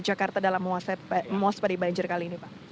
jakarta dalam muas pada banjir kali ini pak